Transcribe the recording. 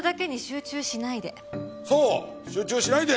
そう集中しないで。